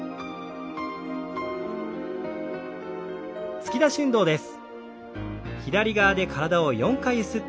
突き出し運動です。